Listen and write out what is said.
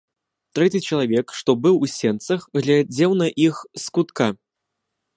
Трэці чалавек, што быў у сенцах, глядзеў на іх з кутка.